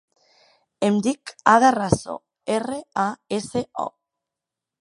Em dic Ada Raso: erra, a, essa, o.